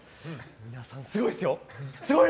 皆さん、すごいですよ。